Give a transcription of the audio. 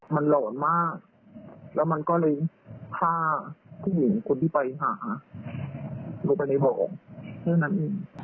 มันหลอนมากแล้วมันก็เลยฆ่าผู้หญิงคนที่ไปหาลงไปในบ่อแค่นั้นเอง